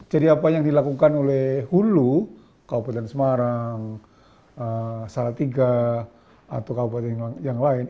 jadi apa yang dilakukan oleh hulu kabupaten semarang salah tiga atau kabupaten yang lain